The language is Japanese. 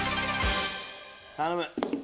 頼む！